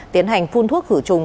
tiến hành phun thuốc khử trùng